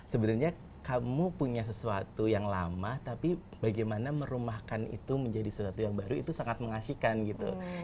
sebenarnya kamu punya sesuatu yang lama tapi bagaimana merumahkan itu menjadi sesuatu yang baru itu sangat mengasihkan gitu